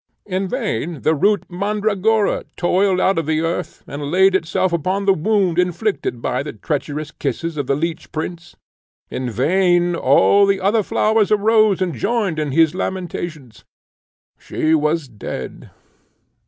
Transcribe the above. In vain the root mandragora toiled out of the earth, and laid itself upon the wound inflicted by the treacherous kisses of the Leech Prince; in vain all the other flowers arose and joined in his lamentations: she was dead.